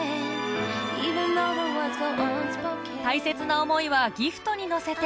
大切な思いはギフトに乗せて